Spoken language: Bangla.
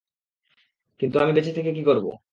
কিন্তু আমি বেঁচে থেকে কি করবো?